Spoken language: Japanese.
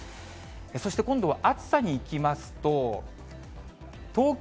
そして今度は暑さにいきますと、東京、